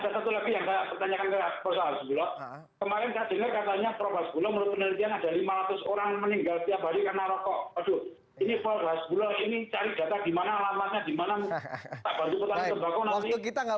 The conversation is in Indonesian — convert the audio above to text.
baru kita terbakau nanti